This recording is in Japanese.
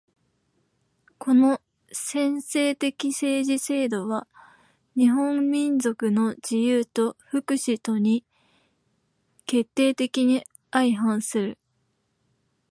この専制的政治制度は日本民族の自由と福祉とに決定的に相反する。